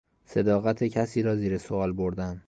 صداقت کسی را زیر سئوال بردن